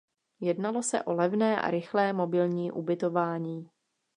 Jednalo se o levné a rychlé mobilní ubytování.